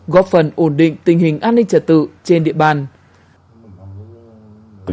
góp phần ổn định tình hình an ninh trả tự